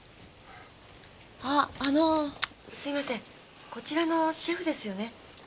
あのすみませんこちらのシェフですよね？